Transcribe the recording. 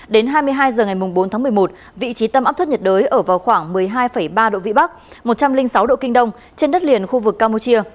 đến hai mươi hai h ngày bốn tháng một mươi một vị trí tâm áp thấp nhiệt đới ở vào khoảng một mươi hai ba độ vĩ bắc một trăm linh sáu độ kinh đông trên đất liền khu vực campuchia